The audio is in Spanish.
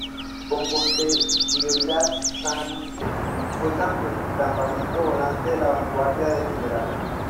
Con posterioridad, San Agustín fue campamento volante de la vanguardia del Gral.